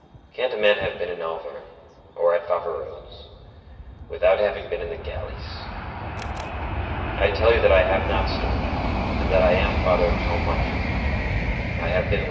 can't a man have been in Auvergne, or at Faverolles, without having been in the galleys? I tell you that I have not stolen, and that I am Father Champmathieu; I have been with M.